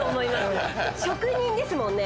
職人ですもんね